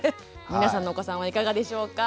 皆さんのお子さんはいかがでしょうか？